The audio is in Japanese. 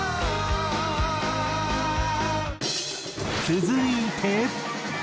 続いて。